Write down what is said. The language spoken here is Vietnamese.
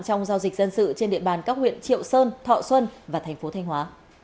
trong giao dịch dân sự trên địa bàn các huyện triệu sơn thọ xuân và tp thanh hóa